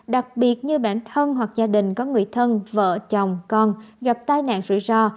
đặc biệt như bản thân hoặc gia đình có người thân vợ chồng con gặp tai nạn rủi ro